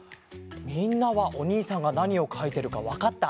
みんなはおにいさんがなにをかいてるかわかった？